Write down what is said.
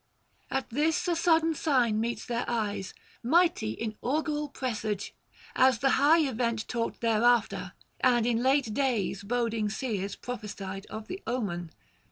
At this a sudden sign meets their eyes, mighty in augural presage, as the high event taught thereafter, and in late days boding seers prophesied of the omen.